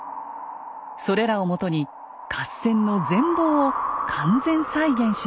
それらをもとに合戦の全貌を完全再現しました。